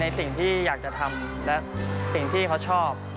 สิ่งที่อยากจะทำและสิ่งที่เขาชอบ